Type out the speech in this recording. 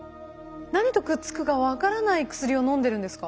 何とくっつくか分からない薬をのんでるんですか？